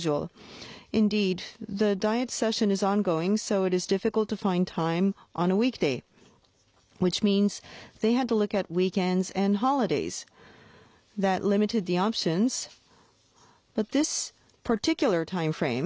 そうですね。